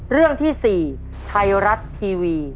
เรื่องที่๔ไทยรัฐทีวี